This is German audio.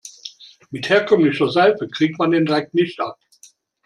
Mit herkömmlicher Seife kriegt man den Dreck nicht ab.